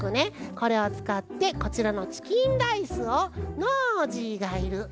これをつかってこちらのチキンライスをノージーがいるここのね